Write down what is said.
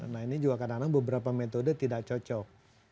nah ini juga kadang kadang beberapa metode tidak cocok